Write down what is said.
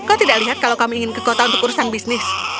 kau tidak lihat kalau kami ingin ke kota untuk urusan bisnis